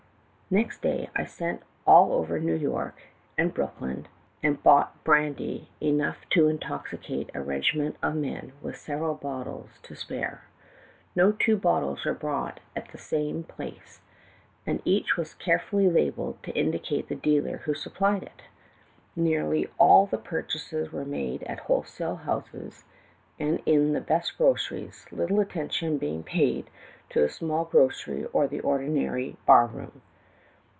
"Next day, I sent all over New York and Brooklyn, and bought brandy enough to intoxi cate a regiment of men with several bottles to spare. No two bottles were bought at the same place, and each was carefully labeled to indicate the dealer who supplied it. Nearly all the pur chases were made at wholesale houses and in the best groceries, little attention being paid to the small grocery or the ordinary bar room.